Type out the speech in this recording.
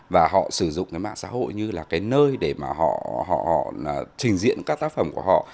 và họ sử dụng cái mạng xã hội như là cái nơi để mà họ trình diện các tác phẩm của họ